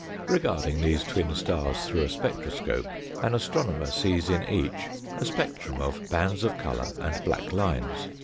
Regarding these twin stars through a spectroscope, an astronomer sees in each a spectrum of bands of colour and black lines.